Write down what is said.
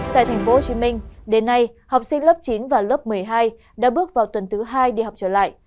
tại thành phố hồ chí minh đến nay học sinh lớp chín và lớp một mươi hai đã bước vào tuần thứ hai đi học trở lại